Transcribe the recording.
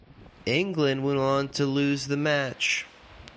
England went on to lose the match.